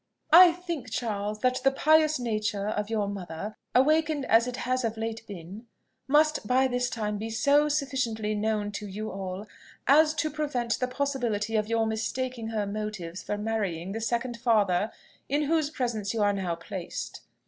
"I think, Charles, that the pious nature of your mother, awakened as it has of late been, must by this time be so sufficiently known to you all, as to prevent the possibility of your mistaking her motives for marrying the second father, in whose presence you are now placed.